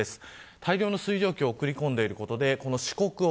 大量の水蒸気を送り込んでいることで四国沖